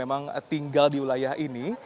memang tinggal di wilayah ini